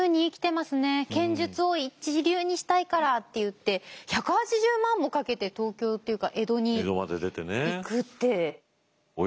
剣術を一流にしたいからって言って１８０万もかけて東京っていうか江戸に行くって。